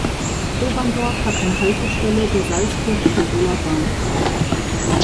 Oberndorf hat eine Haltestelle der Salzburg-Tiroler-Bahn.